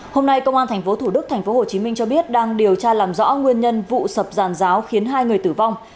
hôm nay công an thành phố thủ đức thành phố hồ chí minh cho biết đang điều tra làm rõ nguyên nhân vụ sập giàn giáo khiến hai người tử vong